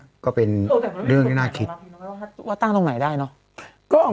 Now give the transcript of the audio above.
พศ๒๕๔๒ก็เป็นเรื่องที่น่าคิดบางอย่างไม่รักหิมเขาว่าตั้งตรงไหนได้เนาะ